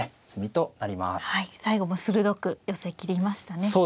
最後も鋭く寄せ切りましたね。